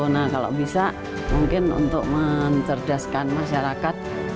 nah kalau bisa mungkin untuk mencerdaskan masyarakat